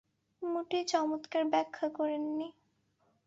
মোটেই চমৎকার ব্যাখ্যা করেন নি।